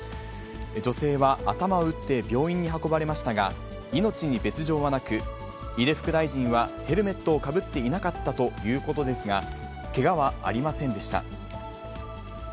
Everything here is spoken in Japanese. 女性は頭を打って病院に運ばれましたが、命に別状はなく、井出副大臣はヘルメットをかぶっていなかったということですが、けがはありませんでした。